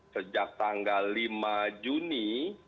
sejak tanggal lima juni dua ribu dua puluh